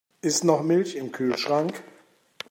Ist noch Milch im Kühlschrank?